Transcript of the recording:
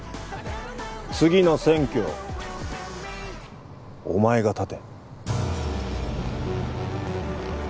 次の選挙お前が立て。